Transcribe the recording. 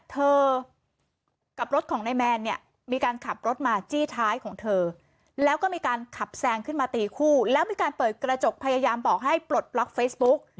เธอกับรถของนายแมนเนี่ยมีการขับรถมาจี้ท้ายของเธอแล้วก็มีการขับแซงขึ้นมาตีคู่แล้วมีการเปิดกระจกพยายามบอกให้ปลดล็อกเฟซบุ๊ก